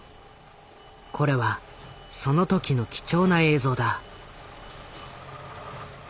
これはその時の貴重な映像だ。